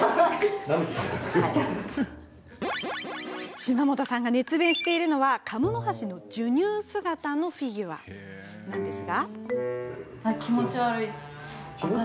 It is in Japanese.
島本さんが熱弁しているのはカモノハシの授乳姿のフィギュアなんですが。